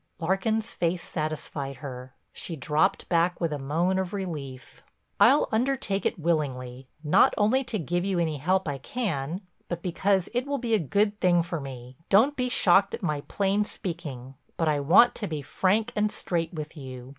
Larkin's face satisfied her; she dropped back with a moan of relief. "I'll undertake it willingly—not only to give you any help I can, but because it will be a good thing for me. Don't be shocked at my plain speaking, but I want to be frank and straight with you.